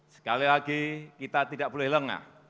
sekali lagi kita tidak boleh lengah